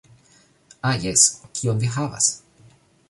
Ah jes, kion vi havas?